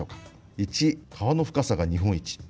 １、川の深さが日本一。